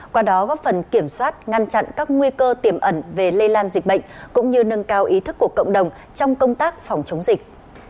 qua đó góp phần kiểm soát ngăn chặn các nguy cơ tiềm ẩn về lây lan dịch bệnh cũng như nâng cao ý thức của cộng đồng trong công tác phòng chống dịch